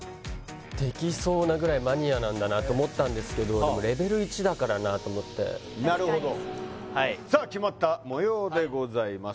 できそうなぐらいマニアなんだなと思ったんですけどレベル１だからなと思ってなるほどさあ決まったもようでございます